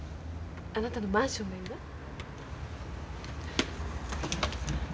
あなたのマンションがいいわ。